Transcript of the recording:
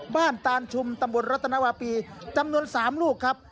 ตานชุมตำบลรัตนวาปีจำนวน๓ลูกครับ